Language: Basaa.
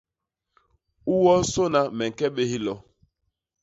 U wonsôna me ñke bé hilo.